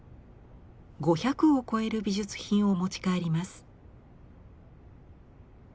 ５００を超える美術品を持ち帰ります。